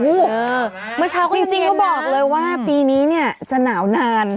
หูววววเมื่อเช้าก็ยังเห็นจริงก็บอกเลยว่าปีนี้เนี่ยจะหนาวนาน